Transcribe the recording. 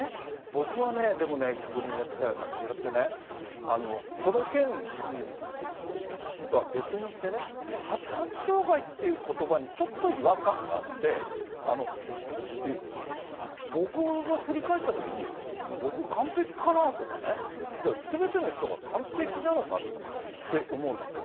僕はね、でもね、逆にね、嵩原さん、違ってね、この件とは別にしてね、発達障害っていうことばにちょっと違和感があって、僕が振り返ったときに、僕、完璧かな？とかね、じゃあ、すべての人が完璧なのかって思うんですね。